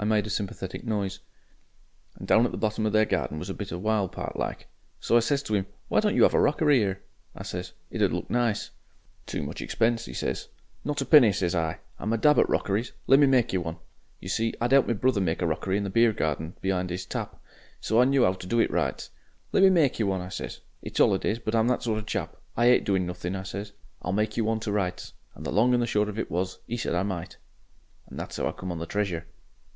I made a sympathetic noise. "And down at the bottom of their garden was a bit of wild part like. So I says to 'im, 'Why don't you 'ave a rockery 'ere?' I says. 'It 'ud look nice.' "'Too much expense,' he says. "'Not a penny,' says I. 'I'm a dab at rockeries. Lemme make you one.' You see, I'd 'elped my brother make a rockery in the beer garden be'ind 'is tap, so I knew 'ow to do it to rights. 'Lemme make you one,' I says. 'It's 'olidays, but I'm that sort of chap, I 'ate doing nothing,' I says. 'I'll make you one to rights.' And the long and the short of it was, he said I might. "And that's 'ow I come on the treasure."